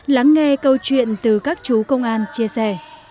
lắng nghe câu chuyện từ các chú công an chia sẻ